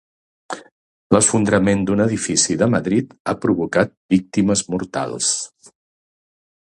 L'esfondrament d'un edifici de Madrid ha provocat víctimes mortals.